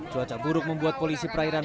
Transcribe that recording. cuaca buruk membuat polisi perairan